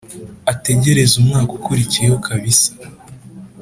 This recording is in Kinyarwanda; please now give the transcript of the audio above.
ategereza umwaka ukurikiyeho kabisa